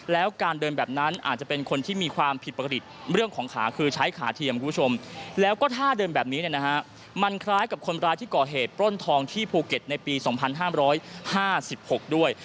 แล้วการเดินแบบนั้นอาจจะเป็นคนที่มีความผิดปกติเรื่องของขาคือใช้ขาเทียมคุณผู้ชมแล้วก็ท่าเดินแบบนี้เนี่ยนะฮะมันคล้ายกับคนร้ายที่ก่อเหตุปล้นทองที่ภูเก็ตในปี๒๕๕๖ด้วย